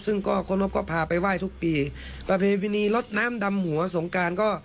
ซึ่งก็เคารพก็พาไปไหว้ทุกปีประเพณีลดน้ำดำหัวสงการก็